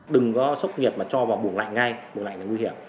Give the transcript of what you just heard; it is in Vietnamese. đừng có sốc nhiệt mà cho vào bùng lạnh ngay bùng lạnh là nguy hiểm